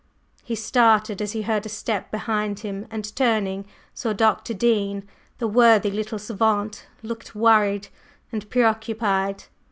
He started as he heard a step behind him, and turning, saw Dr. Dean. The worthy little savant looked worried and preoccupied.